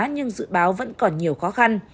nhưng dự báo vẫn còn nhiều khó khăn